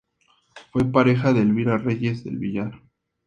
Fue pareja de Elvira Reyes del Villar.